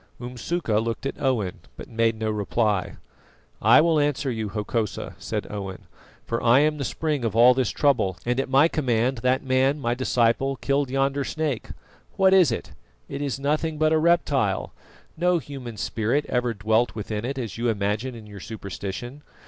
Umsuka looked at Owen, but made no reply. "I will answer you, Hokosa," said Owen, "for I am the spring of all this trouble, and at my command that man, my disciple, killed yonder snake. What is it? It is nothing but a reptile; no human spirit ever dwelt within it as you imagine in your superstition.